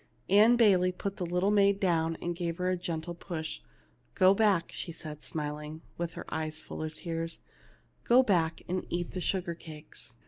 Ann Bayley put the little maid down and gave her a gentle push. " Go back," she said, smiling, with her eyes full of tears ; "go back, and eat the sugar cakes."